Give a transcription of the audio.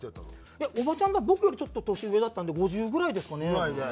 おばちゃん僕よりちょっと年上だったので５０ぐらいですかね？ぐらいで。